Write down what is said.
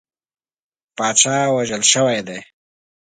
پاچا وژل شوی دی.